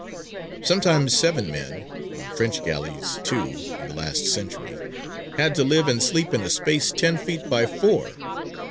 Sometimes seven men (on French galleys, too, in the last century), had to live and sleep in a space ten feet by four.